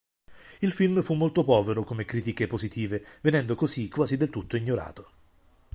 Il film fu molto povero come critiche positive, venendo così quasi del tutto ignorato.